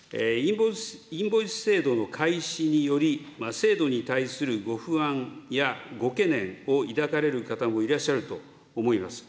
インボイス制度の開始により、制度に対するご不安やご懸念を抱かれる方もいらっしゃると思います。